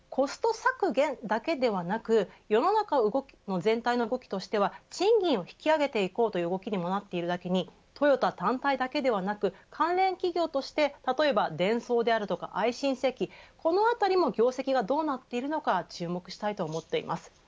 ただ、コスト削減だけではなく世の中全体の動きとしては賃金を引き上げていこうという動きにもなっているだけにトヨタ単体だけではなく関連企業として例えばデンソーであるとかアイシン精機このあたりの業績がどうなっているのか注目したいです。